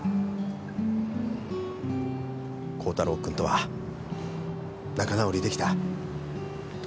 光太郎君とは仲直りできた？